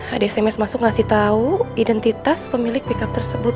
ada sms masuk kasih tau identitas pemilik pick up tersebut